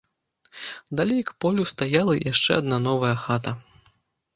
Далей к полю стаяла яшчэ адна новая хата.